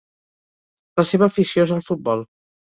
La seva afició és el futbol.